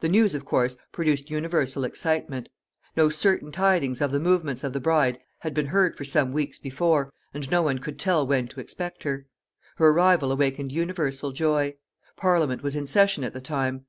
The news, of course, produced universal excitement. No certain tidings of the movements of the bride had been heard for some weeks before, and no one could tell when to expect her. Her arrival awakened universal joy. Parliament was in session at the time.